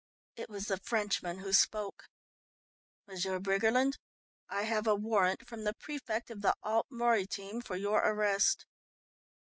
It was the Frenchman who spoke. "M'sieur Briggerland, I have a warrant from the Préfect of the Alpes Maritimes for your arrest."